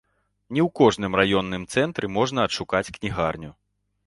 Не ў кожным раённым цэнтры можна адшукаць кнігарню.